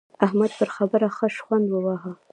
احمد پر خبره ښه شخوند وواهه.